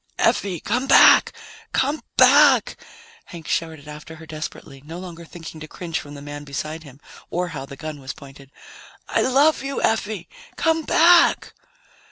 "Effie, come back! Come back!" Hank shouted after her desperately, no longer thinking to cringe from the man beside him, or how the gun was pointed. "I love you, Effie. Come back!"